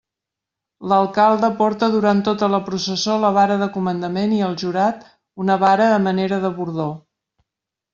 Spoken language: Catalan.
L'alcalde porta durant tota la processó la vara de comandament i el jurat, una vara a manera de bordó.